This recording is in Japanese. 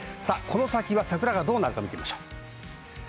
この先は桜どうなるか見てみましょう。